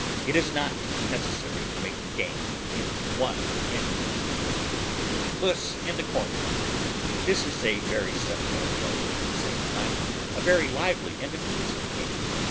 It is not necessary to make the game in one innings. PUSS IN THE CORNER.[L] [L] The Boy's Own Book. This is a very simple, but, at the same time, a very lively and amusing game.